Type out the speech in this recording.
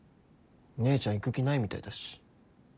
姉ちゃん行く気ないみたいだし。